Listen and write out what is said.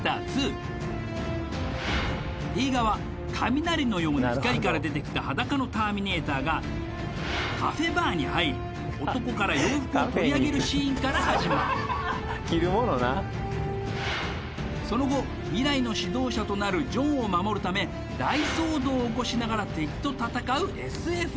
映画は雷のような光から出てきた裸のターミネーターがカフェバーに入り男から洋服を取り上げるシーンから始まる着るものなその後未来の指導者となるジョンを守るため大騒動を起こしながら敵と戦うＳＦ